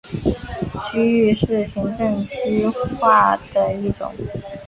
区域是行政区划的一种。